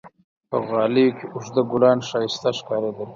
په غالیو کې اوږده ګلان ښایسته ښکارېدل.